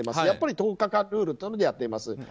やっぱり１０日間ルールでやっています。